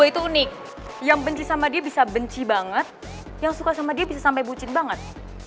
itu unik yang benci sama dia bisa benci banget yang suka sama dia bisa sampai bucin banget